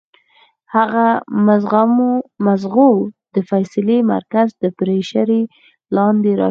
د هغه د مزغو د فېصلې مرکز د پرېشر لاندې راشي